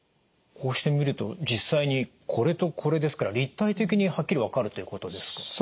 こうして見ると実際にこれとこれですから立体的にはっきり分かるっていうことですか？